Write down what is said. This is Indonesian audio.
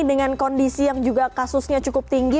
dengan kondisi yang juga kasusnya cukup tinggi